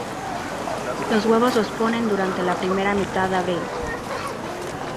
Los huevos los ponen durante la primera mitad de abril.